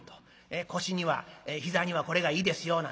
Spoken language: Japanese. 腰には膝にはこれがいいですよなんてね